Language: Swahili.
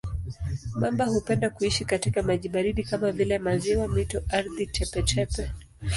Mamba hupenda kuishi katika maji baridi kama vile maziwa, mito, ardhi tepe-tepe.